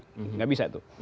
tidak bisa itu